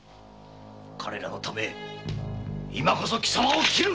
彼らのため今こそ貴様を斬る！